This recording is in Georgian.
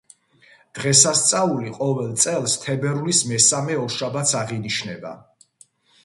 დღესასწაული ყოველ წელს თებერვლის მესამე ორშაბათს აღინიშნება.